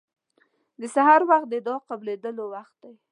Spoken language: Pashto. د سحر وخت د دعا قبلېدو وخت دی.